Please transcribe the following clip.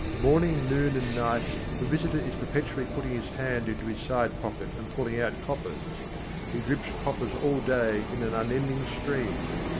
Morning, noon, and night the visitor is perpetually putting his hand into his side pocket and pulling out coppers. He drips coppers all day in an unending stream.